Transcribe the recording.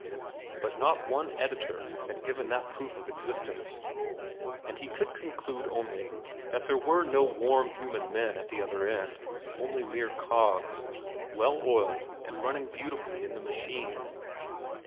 But not one editor had given that proof of existence. And he could conclude only that there were no warm human men at the other end, only mere cogs, well oiled and running beautifully in the machine.